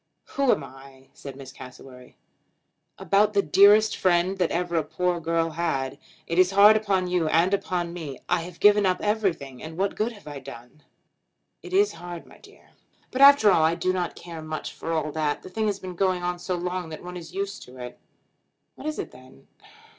"Who am I?" said Miss Cassewary. "About the dearest friend that ever a poor girl had. It is hard upon you, and upon me. I have given up everything, and what good have I done?" "It is hard, my dear." "But after all I do not care much for all that. The thing has been going on so long that one is used to it." "What is it then?"